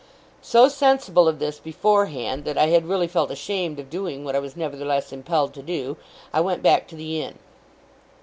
So sensible of this, beforehand, that I had really felt ashamed of doing what I was nevertheless impelled to do, I went back to the inn.